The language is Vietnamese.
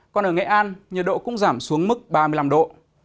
còn ở nghệ an nhiệt độ cũng giảm xuống mức ba mươi năm độ